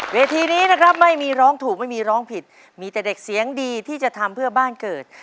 เวทีนี้นะครับไม่มีร้องถูกไม่มีร้องผิดมีแต่เด็กเสียงดีที่จะทำเพื่อบ้านเกิด